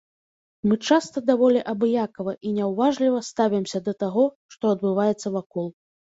Мы часта даволі абыякава і няўважліва ставімся да таго, што адбываецца вакол.